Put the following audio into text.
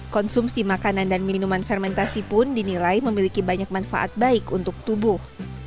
konsumsi makanan dan minuman fermentasi pun dinilai memiliki banyak manfaat baik untuk tubuh